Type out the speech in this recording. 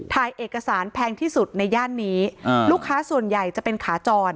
ภายเงินพิคัญที่สุดในย่านนี้อ้าวลูกค้าส่วนใหญ่จะเป็นขาจอ